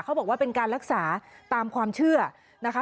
เขาบอกว่าเป็นการรักษาตามความเชื่อนะคะ